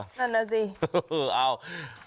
นั่นแล้วสิ